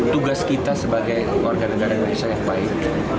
tugas kita sebagai warga negara indonesia yang baik